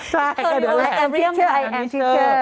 ใช่ก็เดี๋ยวแหละอันนี้เชื่ออันนี้เชื่อ